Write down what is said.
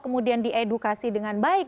kemudian diedukasi dengan baik